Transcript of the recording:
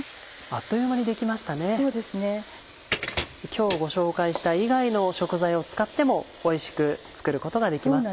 今日ご紹介した以外の食材を使ってもおいしく作ることができます。